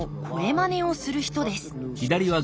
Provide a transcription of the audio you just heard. まねをする人です